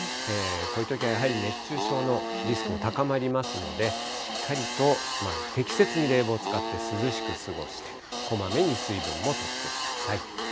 こういうときはやはり熱中症のリスクも高まりますので、しっかりと適切に冷房を使って、涼しく過ごして、こまめに水分もとってください。